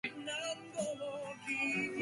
阻止円のように皆私を避けている